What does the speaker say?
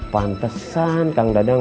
pantesan kang dadang